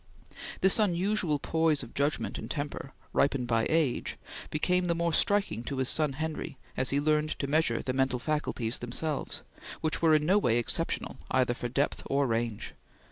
This unusual poise of judgment and temper, ripened by age, became the more striking to his son Henry as he learned to measure the mental faculties themselves, which were in no way exceptional either for depth or range.